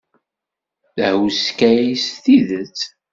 D tahuskayt s tidet.